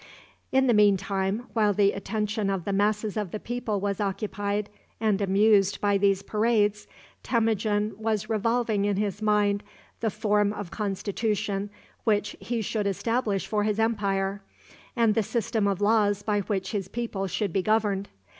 In the mean time, while the attention of the masses of the people was occupied and amused by these parades, Temujin was revolving in his mind the form of constitution which he should establish for his empire, and the system of laws by which his people should be governed.